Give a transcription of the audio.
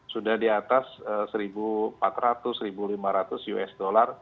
sudah di atas satu empat ratus lima ratus usd